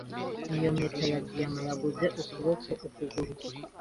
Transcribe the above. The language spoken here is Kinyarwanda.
Iyo mpeta ya diyama yaguze ukuboko ukuguru.